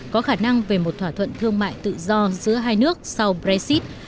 có khả năng về một thỏa thuận thương mại tự do giữa hai nước sau brexit